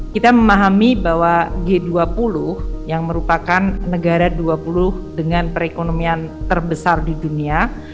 kita memahami bahwa g dua puluh yang merupakan negara dua puluh dengan perekonomian terbesar di dunia